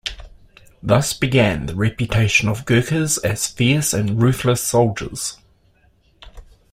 Thus began the reputation of Gurkhas as fierce and ruthless soldiers.